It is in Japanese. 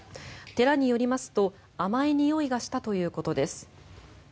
寺によりますと甘いにおいがしたということです。